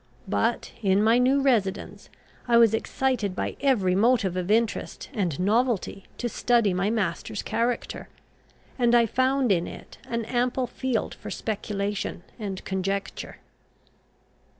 But, in my new residence, I was excited by every motive of interest and novelty to study my master's character; and I found in it an ample field for speculation and conjecture.